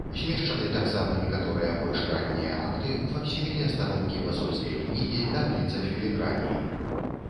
Змешчаны таксама некаторыя больш раннія акты, факсіміле старонкі пасольскай кнігі, табліца філіграней.